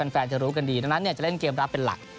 จะรู้กันดีดังนั้นจะเล่นเกมรับเป็นหลัก